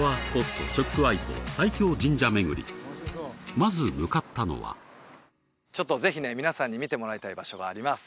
まず向かったのはちょっとぜひね皆さんに見てもらいたい場所があります